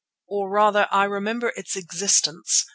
"Or rather, I remember its existence.